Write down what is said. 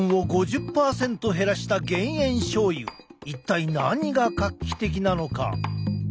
一体何が画期的なのか？